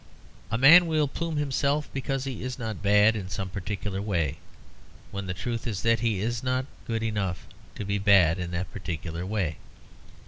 A man will plume himself because he is not bad in some particular way, when the truth is that he is not good enough to be bad in that particular way.